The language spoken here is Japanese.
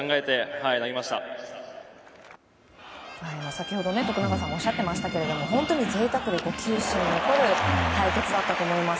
先ほど徳永さんがおっしゃっていましたが本当に贅沢で、球史に残る対決だったと思います。